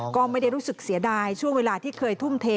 ก็ไม่ได้รู้สึกเสียดายช่วงเวลาที่เคยทุ่มเท